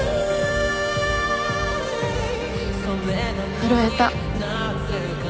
震えた。